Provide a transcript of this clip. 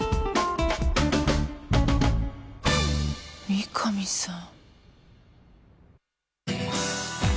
三神さん。